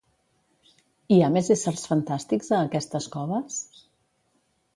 Hi ha més éssers fantàstics a aquestes coves?